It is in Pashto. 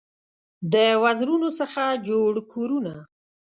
د وزرونو څخه جوړ کورونه